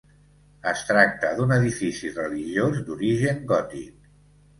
Es tracta d'un edifici religiós d'origen gòtic.